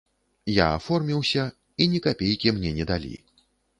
Я аформіўся, і ні капейкі мне не далі.